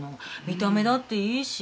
見た目だっていいし。